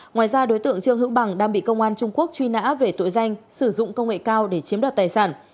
ngoài ra đối tượng trương hữu bằng đang bị công an trung quốc truy nã về tội danh sử dụng công nghệ cao để chiếm đoạt tài sản